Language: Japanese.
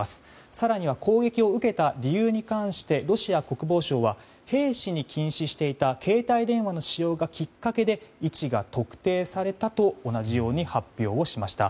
更には攻撃を受けた理由に関してロシア国防省は兵士に禁止していた携帯電話の使用がきっかけで位置が特定されたと同じように発表しました。